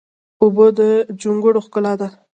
اوبه د جونګړو ښکلا ده.